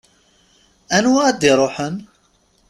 Anwa ad iruḥen?